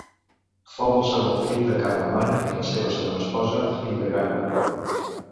Fou el segon fill de Carlemany i la seva segona esposa, Hildegarda.